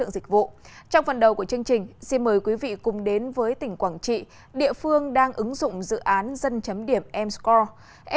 xin mời quý vị cùng đến với tỉnh quảng trị địa phương đang ứng dụng dự án dân chấm điểm m score